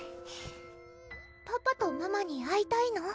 パパとママに会いたいの？